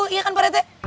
iya kan pak rete